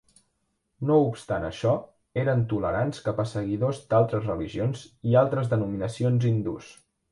No obstant això, eren tolerants cap a seguidors d'altres religions i altres denominacions hindús.